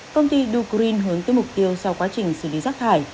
công ty dugreen hướng tới mục tiêu sau quá trình xử lý rác thải